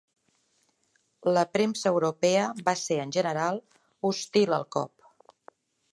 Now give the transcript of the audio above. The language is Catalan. La premsa europea va ser en general hostil al cop.